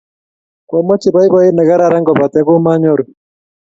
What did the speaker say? Kwomoche poipoyet ne kararan ,kopate komaanyoru